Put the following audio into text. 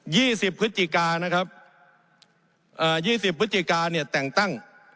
สิบพฤศจิกานะครับเอ่อยี่สิบพฤศจิกาเนี่ยแต่งตั้ง